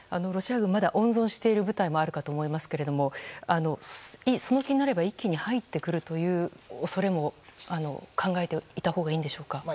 ロシア軍、まだ温存している部隊もあるかと思いますがその気になれば一気に入ってくる恐れも考えたほうがいいんでしょうか。